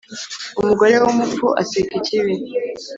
Umugore w’umupfu aseka ikibi.